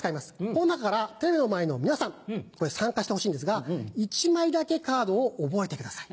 この中からテレビの前の皆さん参加してほしいんですが１枚だけカードを覚えてください。